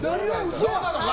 どうなのか。